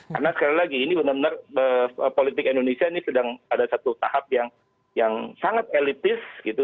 karena sekali lagi ini benar benar politik indonesia ini sedang ada satu tahap yang sangat elitis gitu